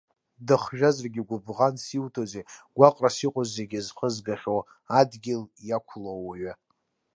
Дыхжәазаргьы гәыбӷанс иуҭозеи, гәаҟрас иҟоу зегьы зхызгахьоу, адгьыл иақәлоу ауаҩы.